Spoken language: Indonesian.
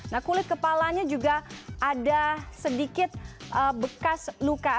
nah kulit kepalanya juga ada sedikit bekas luka